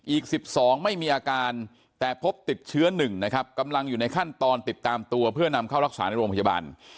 อีก๑๒ไม่มีอาการแต่พบติดเชื้อ๑นะครับกำลังอยู่ในขั้นตอนติดตามตัวเพื่อนำเข้ารักษาในโรงพยาบาล